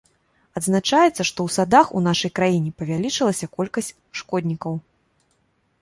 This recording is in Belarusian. Адзначаецца, што ў садах у нашай краіне павялічылася колькасць шкоднікаў.